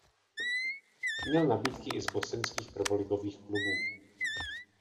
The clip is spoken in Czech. Měl nabídky i z bosenských prvoligových klubů.